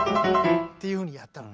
っていうふうにやったのね。